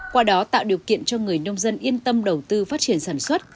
qua đó tạo điều kiện cho người nông dân yên tâm đầu tư phát triển sản xuất